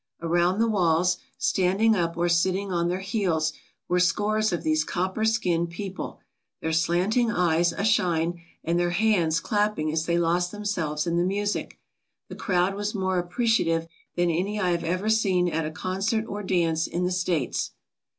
Around the walls, standing up or sitting on their heels, were scores of these copper skinned people, their slanting eyes ashine, and their hands clapping as they lost themselves in the music. The crowd was more apprecia tive than any I have ever seen at a concert or dance in the States.